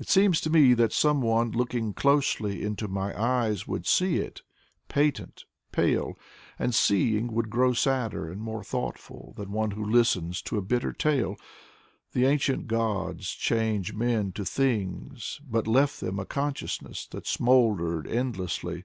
It seems to me that someone looking closely Into my eyes would see it, patent, pale. And, seeing, would grow sadder and more thoughtful Than one who listens to a bitter tale. The ancient gods changed men to things, but left them A consciousness that smoldered endlessly.